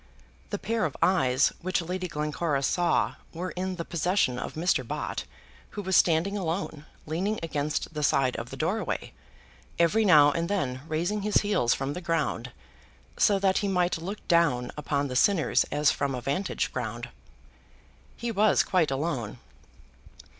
The pair of eyes which Lady Glencora saw were in the possession of Mr. Bott, who was standing alone, leaning against the side of the doorway, every now and then raising his heels from the ground, so that he might look down upon the sinners as from a vantage ground. He was quite alone.